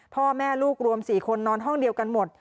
พ่อแม่ลูกรวม๔คนนอนห้องเดียวกันหมด